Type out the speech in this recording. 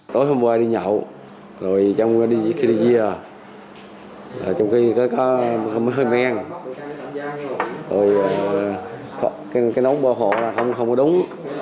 tối hôm qua đi nhậu rồi trong khi đi ghia trong khi có hơi men rồi cái nấu bò hộ là không đúng